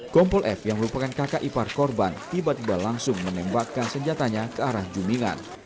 kompol f yang merupakan kakak ipar korban tiba tiba langsung menembakkan senjatanya ke arah juningan